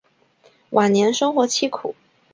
晚年生活凄苦。